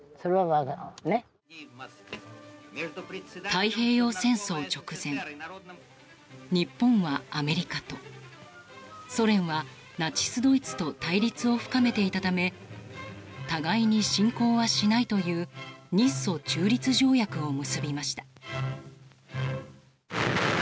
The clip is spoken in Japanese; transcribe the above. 太平洋戦争直前日本は、アメリカとソ連はナチスドイツと対立を深めていたため互いに侵攻はしないという日ソ中立条約を結びました。